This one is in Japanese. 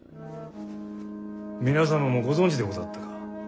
皆様もご存じでござったか。